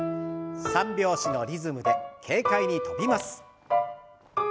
３拍子のリズムで軽快に跳びます。